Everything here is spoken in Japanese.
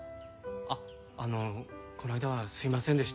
あっあのこの間はすいませんでした。